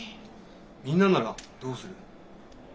みんなならどうする？